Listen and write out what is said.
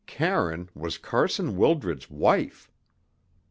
Karine was Carson Wildred's wife!